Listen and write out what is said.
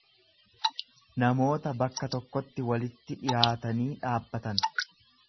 namoota bakka tokkotti walitti dhiyaatanii dhaabbatan.